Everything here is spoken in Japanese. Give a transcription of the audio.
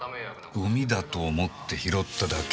ゴミだと思って拾っただけ？